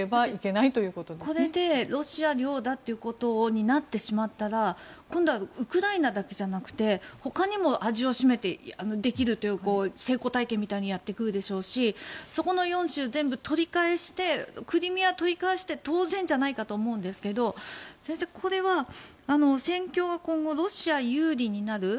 これでロシア領だということになってしまったら今度はウクライナだけじゃなくてほかにも味を占めてできるという成功体験みたいにやってくるでしょうしそこの４州全部取り返してクリミアを取り返して当然じゃないかと思うんですが先生、これは戦況は今後、ロシア有利になる